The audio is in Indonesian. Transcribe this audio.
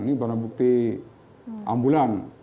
ini barang bukti ambulan